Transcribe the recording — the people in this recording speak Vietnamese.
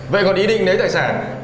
vậy còn ý định lấy tài sản